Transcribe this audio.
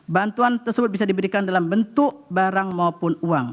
bantuan tersebut bisa diberikan dalam bentuk barang maupun uang